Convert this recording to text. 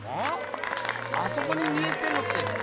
あそこに見えてんのって土手？